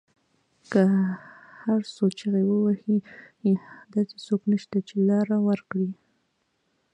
که هر څو چیغې وهي داسې څوک نشته، چې لار ورکړی